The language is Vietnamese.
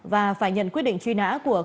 và phải nhận quyết định truy nã của